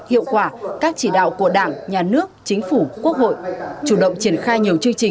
hiệu quả các chỉ đạo của đảng nhà nước chính phủ quốc hội chủ động triển khai nhiều chương trình